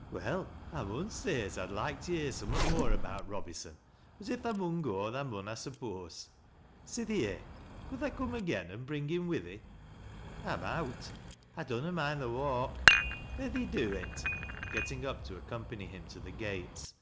" Well, I mun say as I'd loike to hear summat more about Robyson ; but, if tha mun go. tha mun, I suppose. Sithee here, could tha coom again an' bring him wi' thee ?"" I mowt ; I dunna moind the walk." " Then thee do it," getting up to accompany him to the gates.